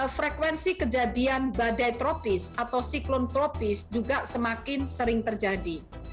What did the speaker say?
frekuensi kejadian badai tropis atau siklon tropis juga semakin sering terjadi